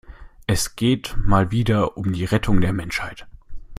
Es geht mal wieder um die Rettung der Menschheit.